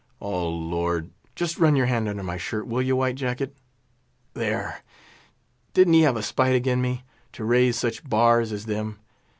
O Lord! just run your hand under my shirt will you, White Jacket? There!! didn't he have a spite agin me, to raise such bars as them?